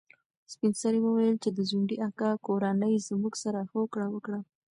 سپین سرې وویل چې د ځونډي اکا کورنۍ زموږ سره هوکړه وکړه.